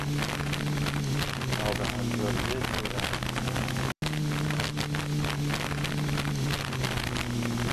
نابهنجاری دورنگ بینی